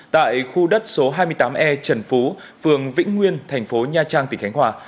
tại khu đất số hai mươi tám e trần phú phường vĩnh nguyên thành phố nha trang tỉnh khánh hòa